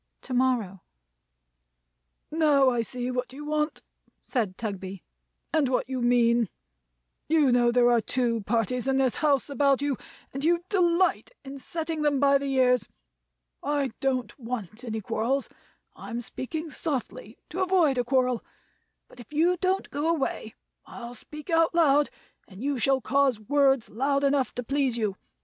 To morrow. "Now I see what you want," said Tugby; "and what you mean. You know there are two parties in this house about you, and you delight in setting them by the ears. I don't want any quarrels; I'm speaking softly to avoid a quarrel; but if you don't go away, I'll speak out loud, and you shall cause words loud enough to please you.